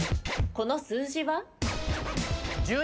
この数字は？